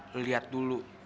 lo lihat dulu